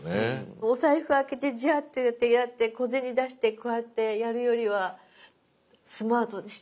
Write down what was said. お財布開けてジャーってやって小銭出してこうやってやるよりはスマートでしたよね。